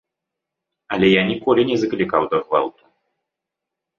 Але я ніколі не заклікаў да гвалту.